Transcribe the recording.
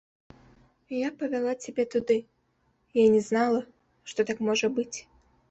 Я павяла цябе туды, я не знала, што так можа быць.